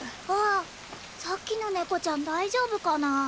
あっさっきのネコちゃん大丈夫かな？